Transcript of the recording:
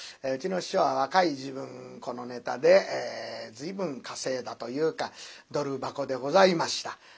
うちの師匠は若い時分このネタで随分稼いだというかドル箱でございました。